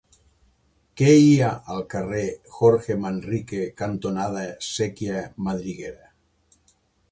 Què hi ha al carrer Jorge Manrique cantonada Sèquia Madriguera?